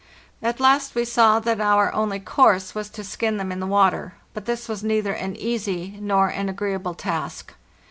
At last we saw that our only course was to skin them in the water; but this was neither an easy nor an agreeable task.